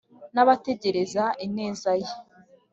N abategereza ineza ye